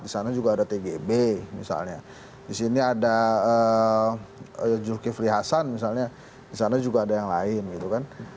di sana juga ada tgb misalnya di sini ada zulkifli hasan misalnya di sana juga ada yang lain gitu kan